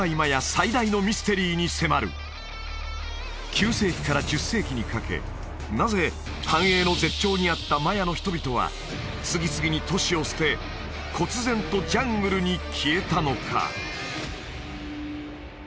最大のミステリーに迫る９世紀から１０世紀にかけなぜ繁栄の絶頂にあったマヤの人々は次々に都市を捨て忽然とジャングルに消えたのか？